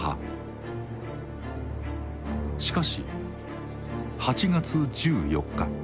しかし８月１４日。